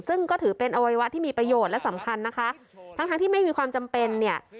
ซึ่งก็ถือเป็นอวัยวะที่มีประโยชน์และสำคัญนะคะทั้งทั้งที่ไม่มีความจำเป็นเนี่ย